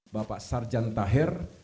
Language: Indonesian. bapak sarjan taher